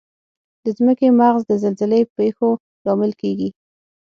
د ځمکې مغز د زلزلې پېښو لامل کیږي.